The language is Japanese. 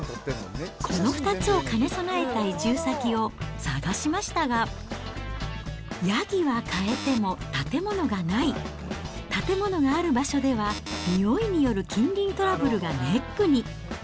この２つを兼ね備えた移住先を探しましたが、ヤギは飼えても建物がない、建物がある場所では、においによる近隣トラブルがネックに。